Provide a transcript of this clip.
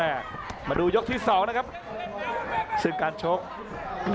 อัศวินาศาสตร์